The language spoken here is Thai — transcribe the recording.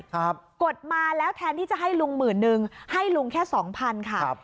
กดมาแล้วแทนที่จะให้ลุงหมื่นนึงให้ลุงแค่สองพันค่ะครับ